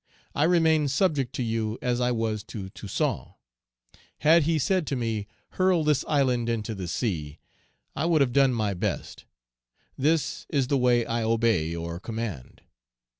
I remain subject to you as I was to Toussaint; had he said to me, 'Hurl this island into the sea,' I would have done my best. This is the way I obey or command.